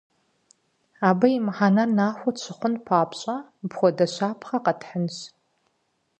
Абы и мыхьэнэр нахуэ тщыхъун папщӏэ, мыпхуэдэ щапхъэ къэтхьынщ.